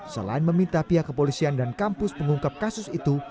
selain meminta pihak kepolisian dan kampus mengungkap kasus itu